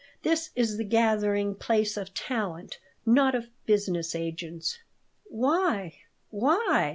This is the gathering place of talent, not of business agents." "Why? Why?"